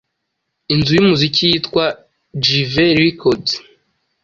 inzu y'umuziki yitwa Jive Records.